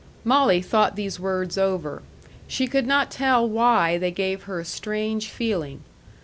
Molly thought these words over. She could not tell why they gave her a strange feeling.